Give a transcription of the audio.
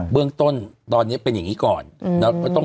เหมือนต้นตอนนี้เป็นอย่างนี้ก่อน